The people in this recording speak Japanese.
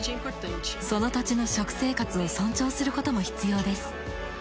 その土地の食生活を尊重することも必要です。